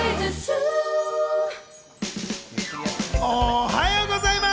おはようございます。